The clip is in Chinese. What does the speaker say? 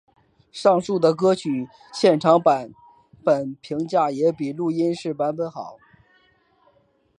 上述的歌曲的现场版本评价也比录音室版本好。